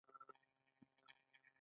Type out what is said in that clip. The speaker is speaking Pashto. دوی د وسایلو په مرسته کارګران استثماروي.